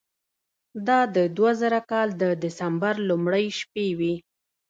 دا د دوه زره کال د دسمبر لومړۍ شپې وې.